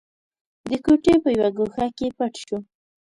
د کوټې په يوه ګوښه کې پټ شو.